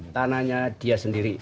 tanahnya dia sendiri